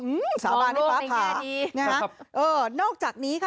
อืมสามารถได้ปลาผานี่ฮะครับเออนอกจากนี้ค่ะ